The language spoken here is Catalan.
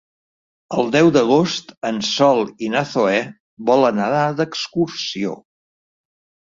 El deu d'agost en Sol i na Zoè volen anar d'excursió.